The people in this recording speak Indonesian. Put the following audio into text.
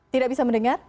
tidak bisa mendengar